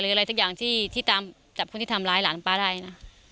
อะไรสักอย่างที่ตามจับคนที่ทำร้ายหลานป้าได้นะ